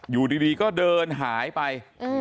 อยู่ดีก็เดินหายไป